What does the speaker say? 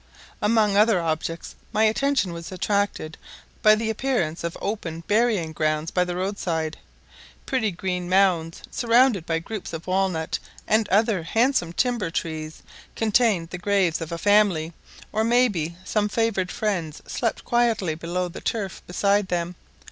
Among other objects my attention was attracted by the appearance of open burying grounds by the roadside. Pretty green mounds, surrounded by groups of walnut and other handsome timber trees, contained the graves of a family, or may be, some favoured friends slept quietly below the turf beside them.